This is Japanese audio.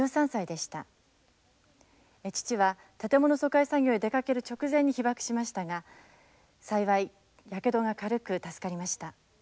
父は建物疎開作業へ出かける直前に被爆しましたが幸いやけどが軽く助かりました。